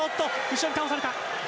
後ろに倒された。